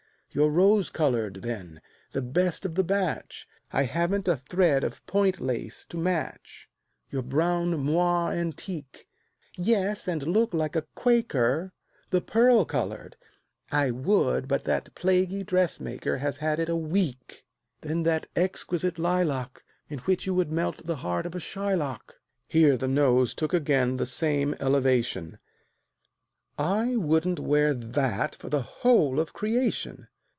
"Your rose colored, then, the best of the batch" "I haven't a thread of point lace to match." "Your brown moire antique" "Yes, and look like a Quaker." "The pearl colored" "I would, but that plaguy dressmaker Has had it a week." "Then that exquisite lilac, In which you would melt the heart of a Shylock;" (Here the nose took again the same elevation) "I wouldn't wear that for the whole of creation."